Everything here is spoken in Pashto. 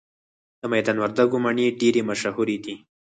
د میدان وردګو مڼې ډیرې مشهورې دي